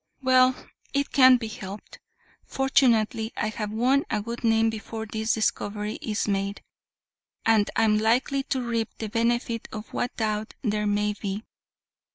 "Well, it can't be helped. Fortunately, I have won a good name before this discovery is made, and am likely to reap the benefit of what doubt there may be.